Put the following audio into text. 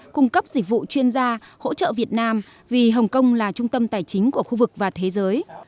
cung cấp dịch vụ chuyên gia hỗ trợ việt nam vì hồng kông là trung tâm tài chính của khu vực và thế giới